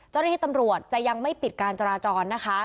เจ้าหน้าที่ตำรวจจะยังไม่ปิดการจราจรนะคะ